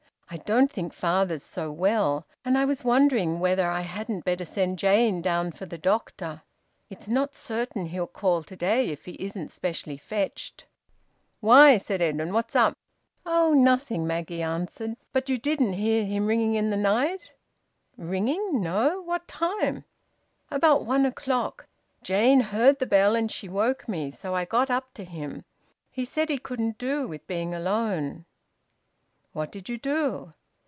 "I don't think father's so well, and I was wondering whether I hadn't better send Jane down for the doctor. It's not certain he'll call to day if he isn't specially fetched." "Why?" said Edwin. "What's up?" "Oh, nothing," Maggie answered. "Nothing particular, but you didn't hear him ringing in the night?" "Ringing? No! What time?" "About one o'clock. Jane heard the bell, and she woke me. So I got up to him. He said he couldn't do with being alone." "What did you do?"